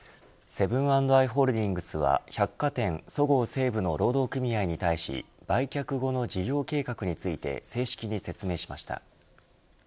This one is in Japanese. セブン＆アイ・ホールディングスは百貨店そごう・西武の労働組合に対し売却後の事業計画について正式に説明しました。